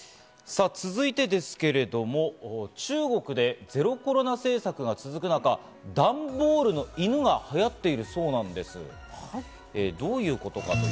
続いてですけれども、中国でゼロコロナ政策が続く中、段ボールの犬が流行っているそうなんです。